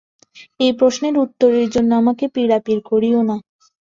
এই প্রশ্নের উত্তরের জন্য আমাকে পীড়াপীড়ি করিও না।